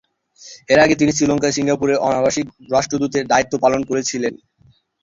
এর আগে তিনি শ্রীলঙ্কায় সিঙ্গাপুরের অনাবাসিক রাষ্ট্রদূতের দায়িত্ব পালন করেছিলেন।